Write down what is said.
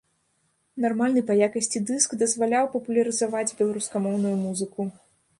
Нармальны па якасці дыск дазваляў папулярызаваць беларускамоўную музыку.